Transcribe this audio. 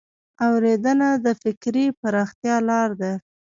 اورېدنه د فکري پراختیا لار ده